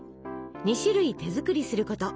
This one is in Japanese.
２種類手作りすること。